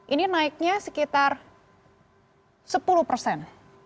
ini naiknya sekitar sepuluh persen